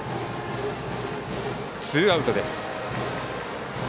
ツーアウトです。